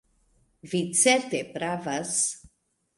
Vi certe pravas!